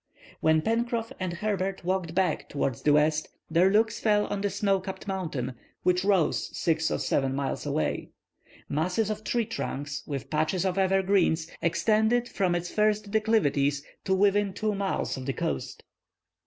When Pencroff and Herbert walked back towards the west, their looks fell on the snowcapped mountain, which rose six or seven miles away. Masses of tree trunks, with patches of evergreens, extended from its first declivities to within two miles of the coast.